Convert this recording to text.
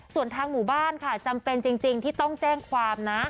ส่วนทางหมู่บ้านค่ะจำเป็นจริงที่ต้องแจ้งความนะ